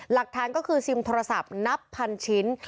หลักฐานก็คือซิมโทรศัพท์นับพันชิ้น